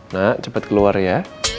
nah cepet keluar ya